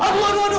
aduh aduh aduh